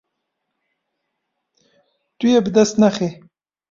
Tu yê bi dest nexî.